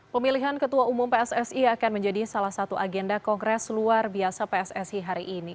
pemilihan ketua umum pssi akan menjadi salah satu agenda kongres luar biasa pssi hari ini